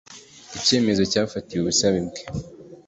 icyemezo cyafatiwe ubusabe bwe